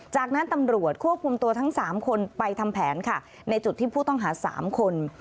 จากนั้นตำรวจควบคุมตัวทั้ง๓คนไปทำแผนค่ะในจุดที่ผู้ต้องหา๓คน